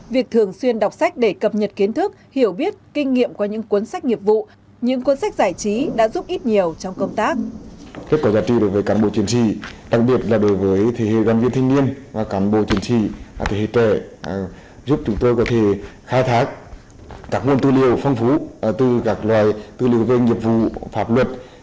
việc thường xuyên đọc sách để cập nhật kiến thức hiểu biết kinh nghiệm qua những cuốn sách nghiệp vụ những cuốn sách giải trí đã giúp ít nhiều trong công tác